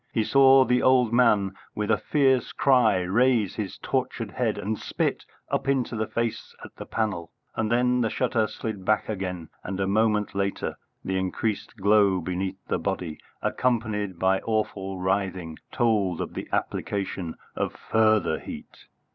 He saw the old man, with a fierce cry, raise his tortured head and spit up into the face at the panel, and then the shutter slid back again, and a moment later the increased glow beneath the body, accompanied by awful writhing, told of the application of further heat.